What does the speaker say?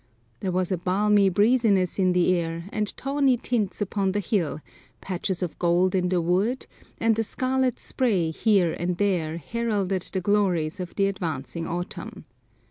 There was a balmy breeziness in the air, and tawny tints upon the hill, patches of gold in the woods, and a scarlet spray here and there heralded the glories of the advancing autumn.